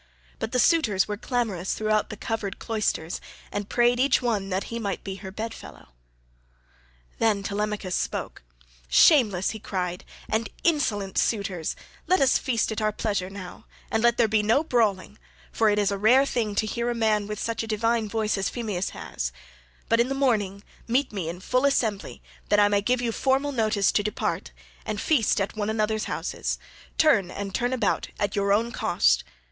But the suitors were clamorous throughout the covered cloisters11, and prayed each one that he might be her bed fellow. Then Telemachus spoke, "Shameless," he cried, "and insolent suitors, let us feast at our pleasure now, and let there be no brawling, for it is a rare thing to hear a man with such a divine voice as Phemius has; but in the morning meet me in full assembly that I may give you formal notice to depart, and feast at one another's houses, turn and turn about, at your own cost.